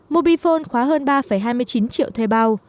mobifone khóa hơn ba hai mươi chín triệu thuê bao